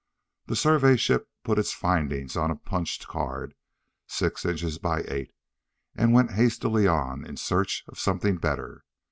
The survey ship put its findings on a punched card, six inches by eight, and went hastily on in search of something better.